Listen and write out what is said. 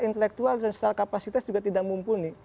intelektual dan secara kapasitas juga tidak mumpuni